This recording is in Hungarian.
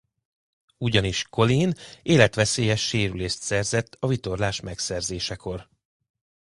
Ugyanis Colleen életveszélyes sérülést szerzett a vitorlás megszerzésekor.